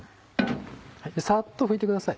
サッと拭いてください。